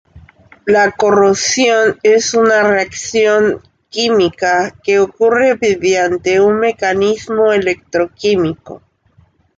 La corrosión es una reacción química que ocurre mediante un mecanismo electroquímico.